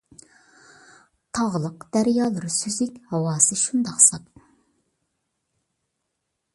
تاغلىق، دەريالىرى سۈزۈك، ھاۋاسى شۇنداق ساپ.